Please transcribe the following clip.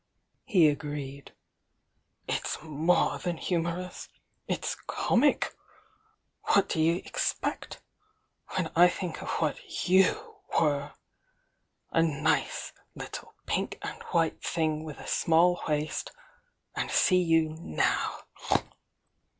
he agreed. "It's more than humorous! It's comic! What d'ye expect? When I tiiink of what you were!— a nice little pink and white thing with a small waist,— and see you now!"